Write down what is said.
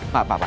pak pak pak